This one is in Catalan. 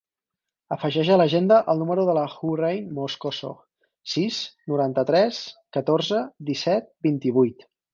Afegeix a l'agenda el número de la Hoorain Moscoso: sis, noranta-tres, catorze, disset, vint-i-vuit.